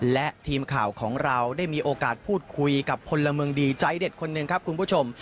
และทีมข่าวของเราได้มีโอกาสพูดคุยกับพลเมืองดีใจเด็ดคนหนึ่งครับคุณผู้ชม